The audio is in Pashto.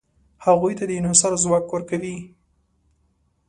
هغوی ته د انحصار ځواک ورکوي.